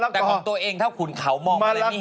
แต่ของตัวเองเท่าขุนเขามอง